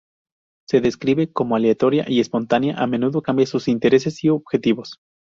Se describe como aleatoria y espontánea, a menudo cambia sus intereses y objetivos.